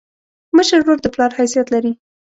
مشر ورور د پلار حیثیت لري.